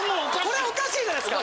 これおかしいじゃないすか。